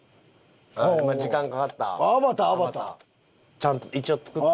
ちゃんと一応作った。